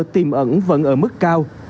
tìm ẩn vẫn ở mức cao